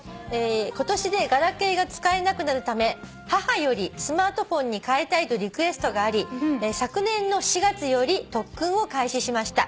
「今年でガラケーが使えなくなるため母よりスマートフォンに替えたいとリクエストがあり昨年の４月より特訓を開始しました」